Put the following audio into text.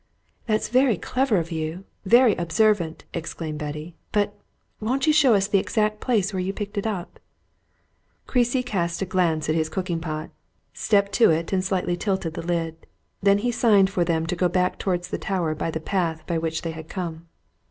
"That's very clever of you, very observant!" exclaimed Betty. "But won't you show us the exact place where you picked it up?" Creasy cast a glance at his cooking pot, stepped to it, and slightly tilted the lid. Then he signed to them to go back towards the tower by the path by which they had come.